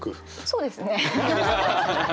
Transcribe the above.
そうですね。